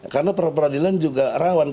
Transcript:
karena pra peradilan juga rawan